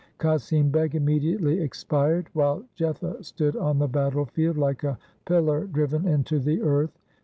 Qasim Beg immediately expired, while Jetha stood on the battle field like a pillar driven into the earth.